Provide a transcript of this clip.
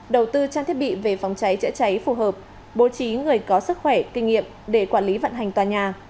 đầu tư trang thiết bị về phòng cháy chữa cháy phù hợp bố trí người có sức khỏe kinh nghiệm để quản lý vận hành tòa nhà